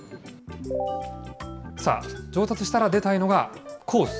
さあ、上達したら出たいのがコース。